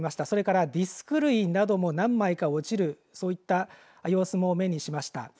それからディスク類なども何枚か落ちるそういった様子も目にしました。